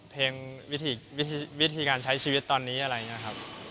เพลงวิธีการใช้ชีวิตตอนนี้อะไรอย่างนี้ครับ